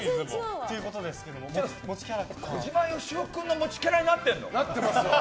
小島よしお君の持ちキャラになってるの？